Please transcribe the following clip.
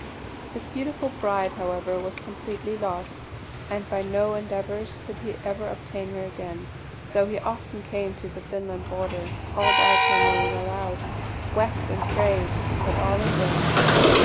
His beautiful bride, however, was completely lost; and by no endeavours could he ever obtain her again, though he often came to the Finland border, called out her name aloud, wept and prayed, but all in vain.